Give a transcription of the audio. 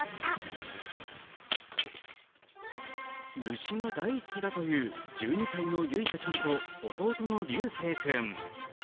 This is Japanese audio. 虫が大好きだという１２歳の結花ちゃんと弟の琉正君。